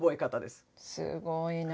すごいな。